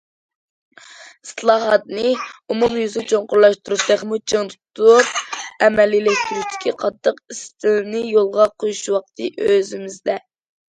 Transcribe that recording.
ئىسلاھاتنى ئومۇميۈزلۈك چوڭقۇرلاشتۇرۇش، تېخىمۇ چىڭ تۇتۇپ ئەمەلىيلەشتۈرۈشتىكى قاتتىق ئىستىلنى يولغا قويۇش ۋاقتى ئۆزىمىزدە.